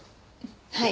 はい。